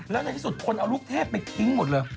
แล้วในที่สุดคนเอาลูกเทพไปทิ้งหมดเลย